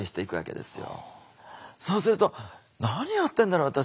そうすると「何やってんだろ私。